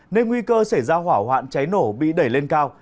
nên nguy cơ xảy ra hỏa hoạn cháy nổ bị đẩy lên cao